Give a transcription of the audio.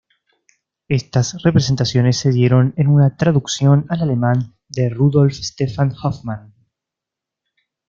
Estas representaciones se dieron en una traducción al alemán de Rudolph Stephan Hoffmann.